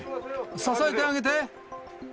支えてあげて。